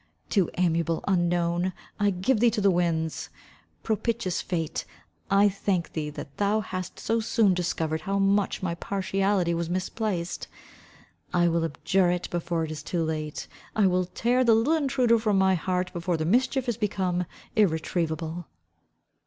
Too amiable unknown, I give thee to the winds! Propitious fate, I thank thee that thou hast so soon discovered how much my partiality was misplaced. I will abjure it before it be too late. I will tear the little intruder from my heart before the mischief is become irretrievable."